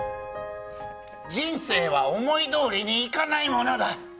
人生は思いどおりにいかないものだ。